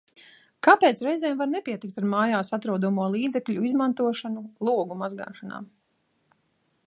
Kāpēc reizēm var nepietikt ar mājās atrodamo līdzekļu izmantošanu logu mazgāšanā?